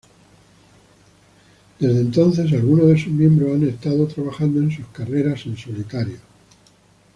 Desde entonces algunas de sus miembros han estado trabajando en sus carreras en solitario.